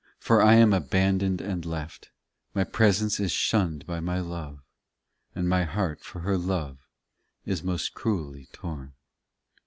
For I am abandoned and left; My presence is shunned by my love, And my heart for her love is most cruelly torn.